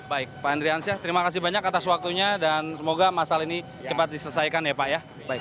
baik pak andriansyah terima kasih banyak atas waktunya dan semoga masalah ini cepat diselesaikan ya pak ya